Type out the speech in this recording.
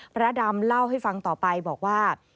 พระดำเล่าให้ฟังต่อไปบอกว่า